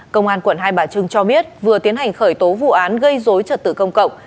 công an quận hai bà trưng cho biết vừa tiến hành khởi tố vụ án gây dối trật tự công cộng